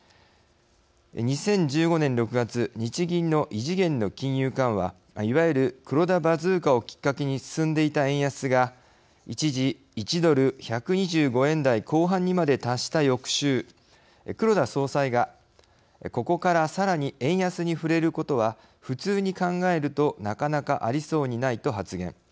２０１５年６月日銀の異次元の金融緩和いわゆる黒田バズーカをきっかけに進んでいた円安が一時１ドル１２５円台後半にまで達した翌週黒田総裁が「ここから、さらに円安に振れることは普通に考えるとなかなかありそうにない」と発言。